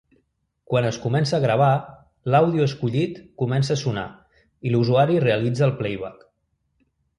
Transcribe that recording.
Quan es comença a gravar, l'àudio escollit comença a sonar i l'usuari realitza el playback.